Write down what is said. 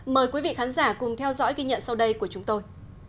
mời quý vị khán giả cùng theo dõi ghi nhận sau đây của chúng tôi